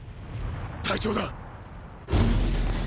隊長だ！